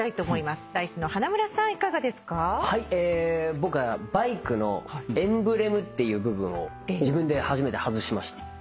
僕はバイクのエンブレムっていう部分を自分で初めて外しました。